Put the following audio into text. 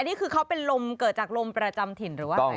นี่คือเขาเป็นลมเกิดจากลมประจำถิ่นหรือว่าอะไร